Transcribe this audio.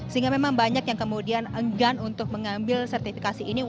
sehingga memang banyak yang kemudian enggan untuk mengambil sertifikasi ini